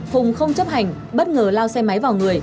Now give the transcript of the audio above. phùng không chấp hành bất ngờ lao xe máy vào người